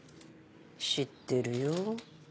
知ってるよ。